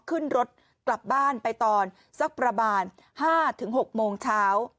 ขึ้นรถกลับบ้านไปตอนสักประมาณ๕๖โมงเช้า